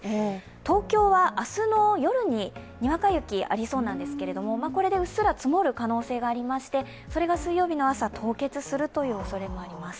東京は明日の夜ににわか雪がありそうなんですけども、これでうっすら積もる可能性がありましてそれが水曜日の朝、凍結するというおそれがあります。